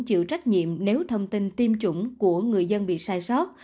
chịu trách nhiệm nếu thông tin tiêm chủng của người dân bị sai sót